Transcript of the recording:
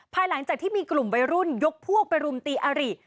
ภายหลังจากที่มีกลุ่มวัยรุ่นยกพวกไปรุมตีอาริ